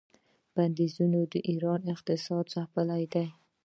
بندیزونو د ایران اقتصاد ځپلی دی.